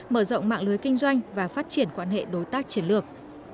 mở rộng mạng lưới kinh doanh và phát triển quan hệ đối tác chiến lược